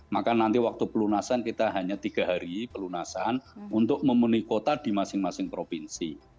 maka nanti waktu pelunasan kita hanya tiga hari pelunasan untuk memenuhi kota di masing masing provinsi